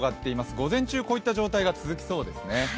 午前中こういった状態が続きそうですね。